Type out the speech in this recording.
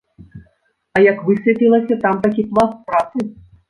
А як высветлілася, там такі пласт працы.